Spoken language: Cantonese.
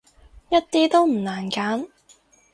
一啲都唔難揀